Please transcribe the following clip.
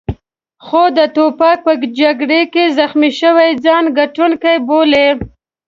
خو د توپک په جګړه کې زخمي شوي ځان ګټونکی بولي.